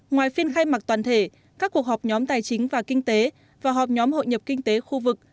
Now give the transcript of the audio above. ngoài phiên khai mạc toàn thể các cuộc họp nhóm tài chính và kinh tế và họp nhóm hội nhập kinh tế khu vực